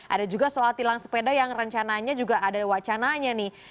ada juga soal tilang sepeda yang rencananya juga ada wacananya nih